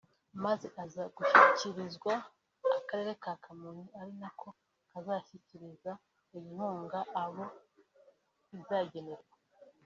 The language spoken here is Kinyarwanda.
maze aza gushyikirizwa akarere ka Kamonyi ari nako kazashyikiriza iyi nkunga abo izagenerwa